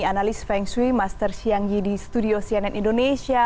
analis feng shui master xiangji di studio cnn indonesia